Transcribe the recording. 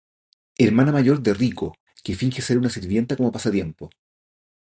Hermana mayor de Riko que finge ser una sirvienta como pasatiempo.